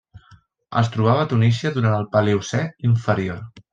Es trobava a Tunísia durant el Paleocè inferior.